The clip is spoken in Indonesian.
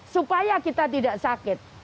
supaya kita tidak sakit